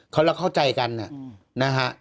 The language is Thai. เขาแล้วเข้าใจกันเนี่ยนะฮะ